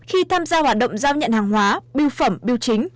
khi tham gia hoạt động giao nhận hàng hóa bưu phẩm biêu chính